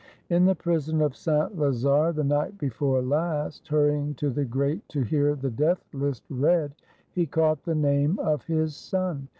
In the Prison of Saint Lazare, the night before last, hurrying to the Grate to hear the Death list read, he caught the name of his son.